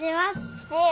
父上。